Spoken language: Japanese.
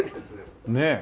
ねえ。